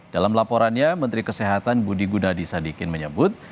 dalam laporannya menteri kesehatan budi gunadisadikin menyebut